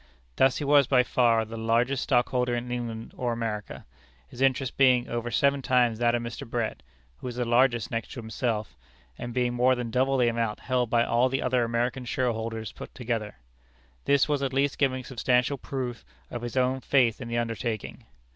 Thus he was by far the largest stockholder in England or America his interest being over seven times that of Mr. Brett, who was the largest next to himself and being more than double the amount held by all the other American shareholders put together. This was at least giving substantial proof of his own faith in the undertaking.